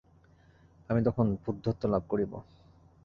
আমি তখন বুদ্ধত্ব লাভ করিব।